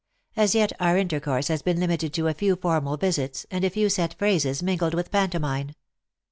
As yet our intercourse has been limited to a few formal visits, and a few set phrases mingled with pantomime.